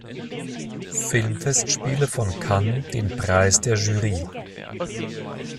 Filmfestspiele von Cannes den Preis der Jury.